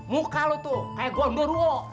muka lu tuh kayak gondor loh